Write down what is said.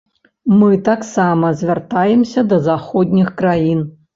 Мы таксама звяртаемся да заходніх краін.